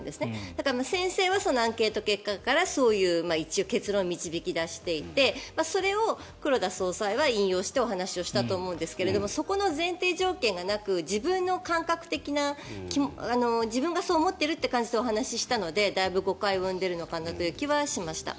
だから、先生はそのアンケート結果からその結論を導き出していて、黒田総裁は引用してお話したと思いますがそこの前提条件がなく自分の感覚的な自分がそう思っていると感じてお話ししたので誤解を生んでるという気はしました。